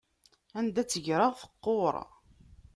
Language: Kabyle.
Anda i tt-greɣ teqquṛ.